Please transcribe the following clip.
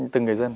từng người dân